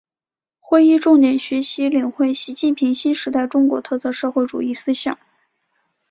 会议重点学习领会习近平新时代中国特色社会主义思想